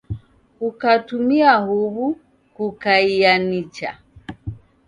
Kukatumia huw'u kukaiaa nicha.